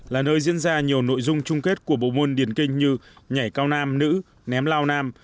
là nơi diễn ra nhiều nội dung chung kết của bộ môn điển kinh như nhảy cao nam nữ ném lao nam